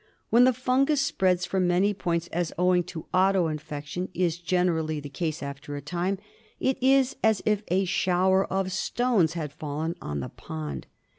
When the fungus spreads from many points, as owing to auto infection is generally the case after a time, it is as if a shower of stones had fallen on the pond.